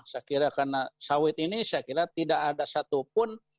saya kira karena sawit ini saya kira tidak ada satupun